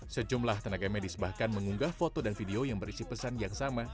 sejumlah tenaga medis bahkan mengunggah foto dan video yang berisi pesan yang sama